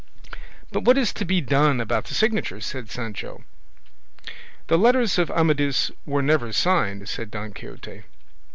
"But what is to be done about the signature?" said Sancho. "The letters of Amadis were never signed," said Don Quixote.